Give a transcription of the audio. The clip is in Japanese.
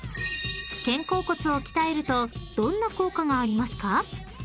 ［肩甲骨を鍛えるとどんな効果がありますか？］